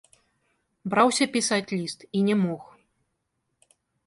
Браўся пісаць ліст і не мог.